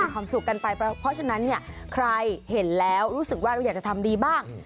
ความสุขกันไปเพราะฉะนั้นเนี่ยใครเห็นแล้วรู้สึกว่าเราอยากจะทำดีบ้าง